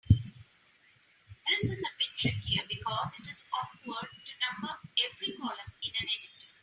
This is a bit trickier because it is awkward to number every column in an editor.